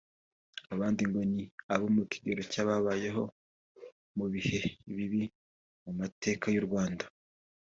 Abandi ngo ni abo mu kigero cy’ababayeho mu bihe bibi mu mateka y’u Rwanda